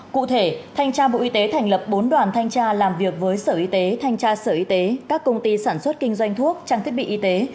cụ thể thanh tra bộ y tế thành lập bốn đoàn thanh tra làm việc với sở y tế thanh tra sở y tế các công ty sản xuất kinh doanh thuốc trang thiết bị y tế